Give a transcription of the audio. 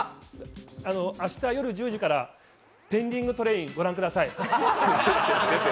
明日夜１０時から「ペンディングトレイン」ご覧ください。